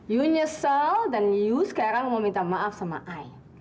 yu nyesel dan yu sekarang mau minta maaf sama i